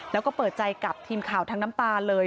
แล้วก็เปิดใจกับทีมข่าวทั้งน้ำตาเลย